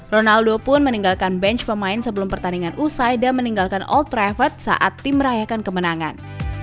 ronaldo pun meninggalkan bench pemain sebelum pertandingan usai dan meninggalkan all travel saat tim merayakan kemenangan